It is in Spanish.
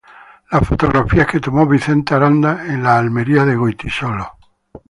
Las fotografías que tomó Vicente Aranda en la Almería de Goytisolo.